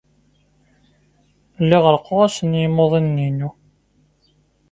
Lliɣ reqquɣ-asen i yimuḍinen-inu.